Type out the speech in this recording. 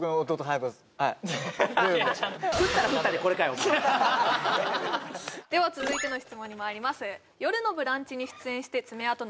はいでは続いての質問にまいります